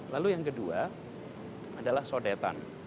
lalu yang kedua adalah sodetan